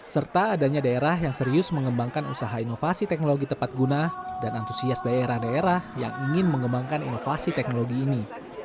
serta adanya daerah yang serius mengembangkan usaha inovasi teknologi tepat guna dan antusias daerah daerah yang ingin mengembangkan inovasi teknologi ini